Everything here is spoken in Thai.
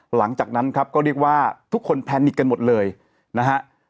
หลังจากนั้นครับก็เรียกว่าทุกคนแพนิกกันหมดเลยนะฮะ